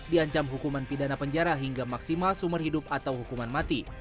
diancam hukuman pidana penjara hingga maksimal sumur hidup atau hukuman mati